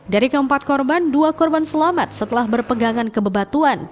dari keempat korban dua korban selamat setelah berpegangan kebebatuan